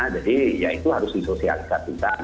jadi ya itu harus disosialisasikan